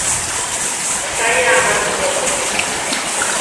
Masaya Matsumoto